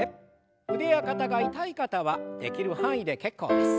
腕や肩が痛い方はできる範囲で結構です。